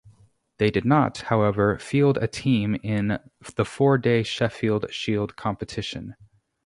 They did not, however, field a team in the four-day Sheffield Shield competition.